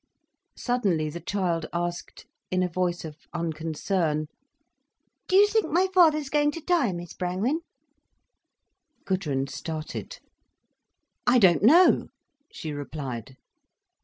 Suddenly the child asked, in a voice of unconcern: "Do you think my father's going to die, Miss Brangwen?" Gudrun started. "I don't know," she replied.